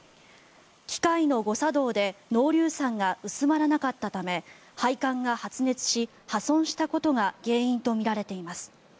機械の誤作動で濃硫酸が薄まらなかったため配管が発熱し、破損したことが原因とみられています。